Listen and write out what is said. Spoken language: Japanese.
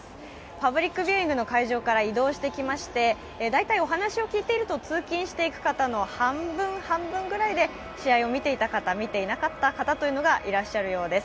パプリックビューイングの会場から移動してきまして、大体お話を聞いていると通勤している方の半分、半分くらいで試合を見ていた方、見ていなかった方がいらっしゃるようです。